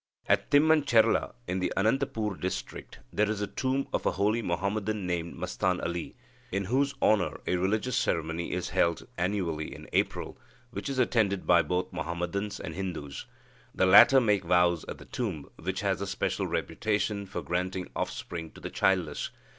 At Timmancherla in the Anantapur district there is a tomb of a holy Muhammadan named Masthan Ali, in whose honour a religious ceremony is held annually in April, which is attended by both Muhammadans and Hindus. The latter make vows at the tomb, which has a special reputation for granting offspring to the childless.